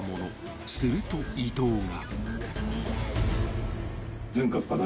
［すると伊東が］